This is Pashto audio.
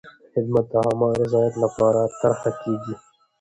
خدمت د عامه رضایت لپاره طرحه کېږي.